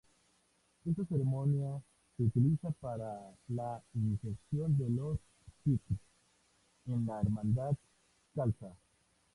Esta ceremonia se utiliza para la iniciación de los sikhs en la hermandad khalsa.